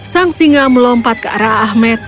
sang singa melompat ke arah ahmed